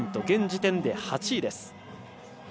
現時点で８位です。